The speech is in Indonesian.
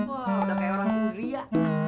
wah udah kayak orang india